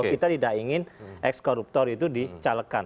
bahwa kita tidak ingin ex corruptor itu di calegkan